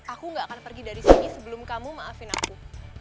aku gak akan pergi dari sini sebelum kamu maafin aku